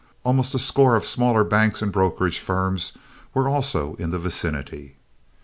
Almost a score of smaller banks and brokerage firms were also in the vicinity.